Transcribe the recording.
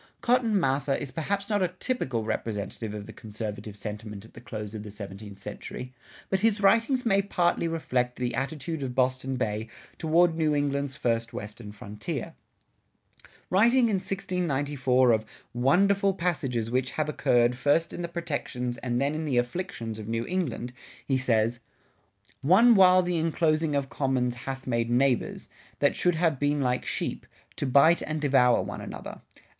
"[63:3] Cotton Mather is perhaps not a typical representative of the conservative sentiment at the close of the seventeenth century, but his writings may partly reflect the attitude of Boston Bay toward New England's first Western frontier. Writing in 1694 of "Wonderful Passages which have Occurred, First in the Protections and then in the Afflictions of New England," he says: One while the Enclosing of Commons hath made Neighbours, that should have been like Sheep, to Bite and devour one another.